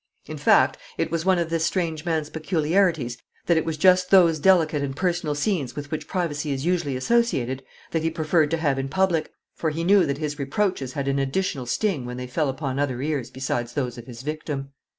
In fact, it was one of this strange man's peculiarities that it was just those delicate and personal scenes with which privacy is usually associated that he preferred to have in public, for he knew that his reproaches had an additional sting when they fell upon other ears besides those of his victim.